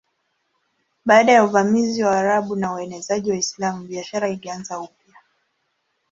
Baada ya uvamizi wa Waarabu na uenezaji wa Uislamu biashara ilianza upya.